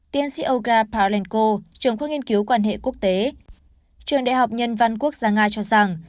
tnc olga palenko trưởng khuôn nghiên cứu quan hệ quốc tế trường đại học nhân văn quốc gia nga cho rằng